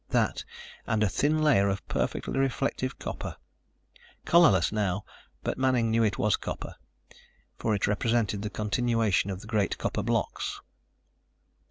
That and a thin layer of perfectly reflective copper ... colorless now, but Manning knew it was copper, for it represented the continuation of the great copper blocks.